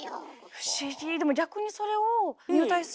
不思議。